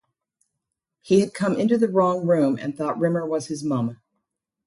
He had come into the wrong room and thought Rimmer was his mum.